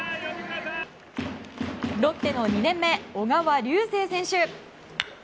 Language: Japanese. ロッテの２年目、小川龍成選手。